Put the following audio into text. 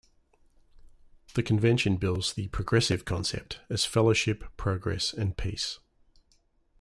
The Convention bills the "progressive concept" as "fellowship, progress, and peace.